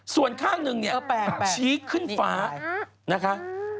ส่วนข้างหนึ่งเนี่ยชี้ขึ้นฟ้านะคะก็แปลกนี่อีกฟ้า